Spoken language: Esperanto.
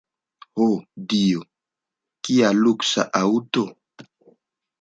Ho, Dio, kia luksa aŭto!